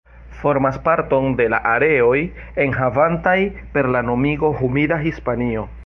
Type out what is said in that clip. Formas parton de la areoj enhavantaj per la nomigo "humida Hispanio".